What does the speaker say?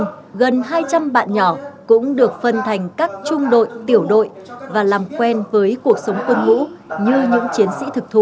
đến với học kỳ công an gần hai trăm linh bạn nhỏ cũng được phân thành các trung đội tiểu đội và làm quen với cuộc sống quân vũ như những chiến sĩ thực thụ